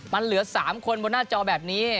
มันเหลือ๓คนบนหน้าจอแบบนี้